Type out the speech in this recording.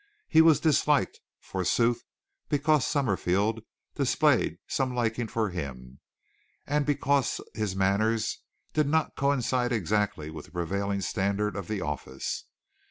He was disliked forsooth because Summerfield displayed some liking for him, and because his manners did not coincide exactly with the prevailing standard of the office.